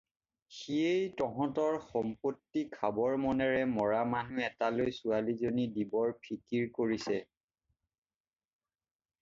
সিয়েই তহঁতৰ সম্পত্তি খাবৰ মনেৰে মৰা মানুহ এটালৈ ছোৱালীজনী দিবৰ ফিকিৰ কৰিছে।